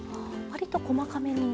わりと細かめに。